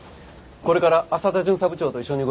これから朝田巡査部長と一緒に動いてくれ。